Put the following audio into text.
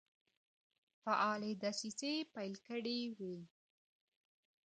فعالي دسیسې پیل کړي وې.